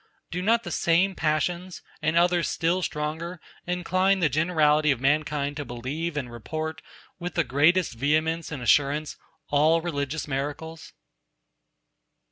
Do not the same passions, and others still stronger, incline the generality of mankind to believe and report, with the greatest vehemence and assurance, all religious miracles?